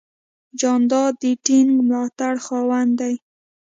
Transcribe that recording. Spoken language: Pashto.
جانداد د ټینګ ملاتړ خاوند دی.